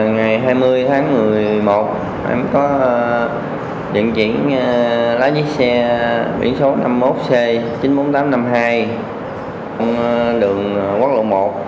ngày hai mươi tháng một mươi một em có điện chuyển lái chiếc xe biển số năm mươi một c chín mươi bốn nghìn tám trăm năm mươi hai đường quốc lộ một